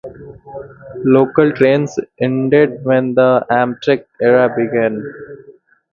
Local trains ended when the Amtrak era began.